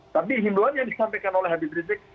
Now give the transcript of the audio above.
tapi hinduan yang disampaikan oleh habib rizik